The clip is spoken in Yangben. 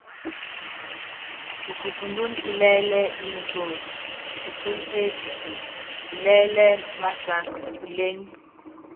Etikundun ilɛ́lɛ́ i nikóti, tukuny etuute, ilɛ́lɛ́ i másak kúlɛ́ny.